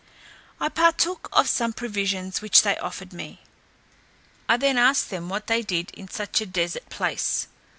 I partook of some provisions which they offered me. I then asked them what they did in such a desert place?